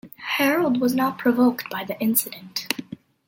Harald was not provoked by the incident.